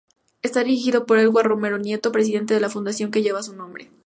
Está dirigido por Eduardo Romero Nieto, presidente de la fundación que lleva su nombre.